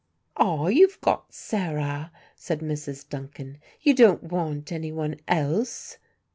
"Ah! you've got Sarah," said Mrs. Duncan, "you don't want anyone else."